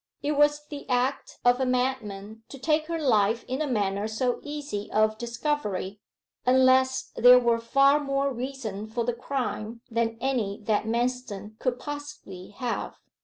It was the act of a madman to take her life in a manner so easy of discovery, unless there were far more reason for the crime than any that Manston could possibly have.